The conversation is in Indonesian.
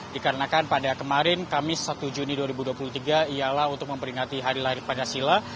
dikarenakan pada kemarin kamis satu juni dua ribu dua puluh tiga ialah untuk memperingati hari lahir pancasila